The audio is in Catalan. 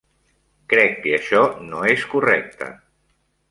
Crec que això no és correcte.